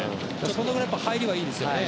そのぐらい入りはいいですよね。